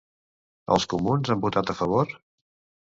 Els comuns han votat a favor?